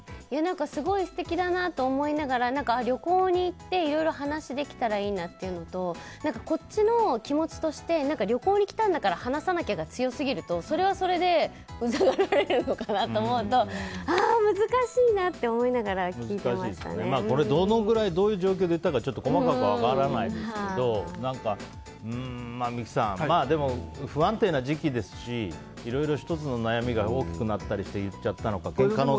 すごい素敵だなと思いながら旅行に行っていろいろ話せたらいいなというのとこっちの気持ちとして旅行に来たんだから話さなきゃが強すぎるとそれはそれでうざがられるのかなと思うと難しいなって思いながらこれ、どのぐらいどんな状況で言ったのか細かく分からないですけど三木さん、不安定な時期ですしいろいろ１つの悩みが大きくなったりして言っちゃう可能性も。